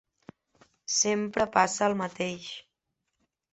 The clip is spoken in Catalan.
Sempre passa el mateix.